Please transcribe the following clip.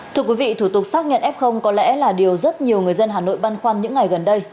thủ tục xác nhận f có lẽ là điều rất nhiều người dân hà nội băn khoăn những ngày gần đây